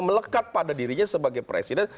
melekat pada dirinya sebagai presiden